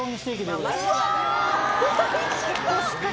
うわおいしそう！